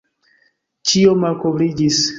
Ĉio malkovriĝis!